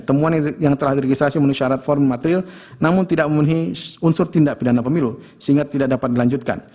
platform material namun tidak memenuhi unsur tindak pidana pemilu sehingga tidak dapat dilanjutkan